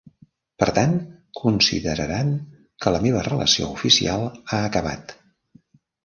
Per tant, consideraran que la meva relació oficial ha acabat.